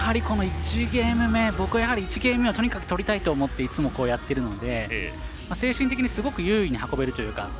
僕はやはり１ゲーム目はとにかく取りたいと思っていつもやっているので精神的にすごく優位に運べるというか